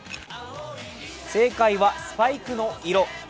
正解はスパイクの色。